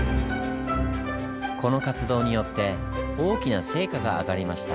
この活動によって大きな成果が上がりました。